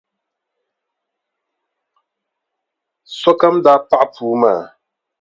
Sokam daa paɣi puu maa.